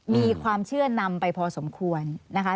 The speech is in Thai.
มีความเชื่อนำไปพอสมควรนะคะ